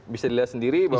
bisa dilihat sendiri bahwa